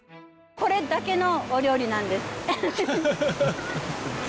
これだけのお料理なんです。